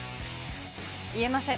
言えません。